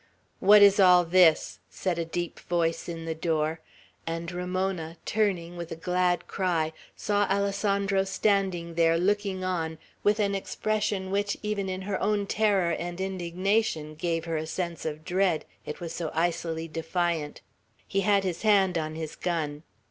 "What is all this?" said a deep voice in the door; and Ramona, turning, with a glad cry, saw Alessandro standing there, looking on, with an expression which, even in her own terror and indignation, gave her a sense of dread, it was so icily defiant. He had his hand on his gun.